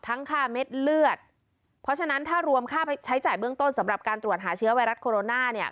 ค่าเม็ดเลือดเพราะฉะนั้นถ้ารวมค่าใช้จ่ายเบื้องต้นสำหรับการตรวจหาเชื้อไวรัสโคโรนาเนี่ย